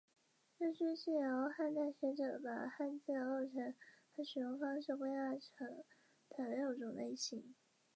该研究会中也进行了有关住民编号以及纳税者编号制度的讨论。